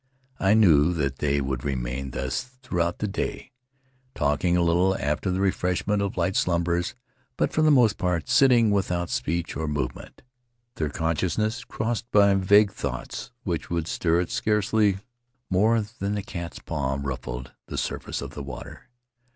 I knew that they would remain thus throughout the day, talking a little, after the refreshment of light slumbers, but for the most part sitting without speech or move ment, their consciousness crossed by vague thoughts which would stir it scarcely more than the cat's paw ruffled the surface of the water.